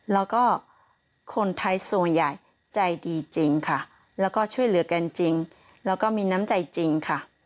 แล้วก็คนไทยส่วนใหญ่ใจดีจริงค่ะแล้วก็ช่วยเหลือกันจริงแล้วก็มีน้ำใจจริงค่ะ